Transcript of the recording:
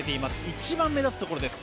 一番目立つところです。